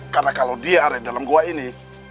karena kalau dia ada di dalam goa ini